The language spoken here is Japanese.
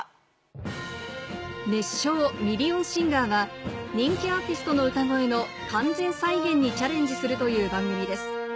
ミリオンシンガー』は人気アーティストの歌声の完全再現にチャレンジするという番組です